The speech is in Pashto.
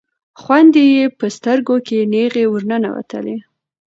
خویندې یې په سترګو کې نیغې ورننوتلې.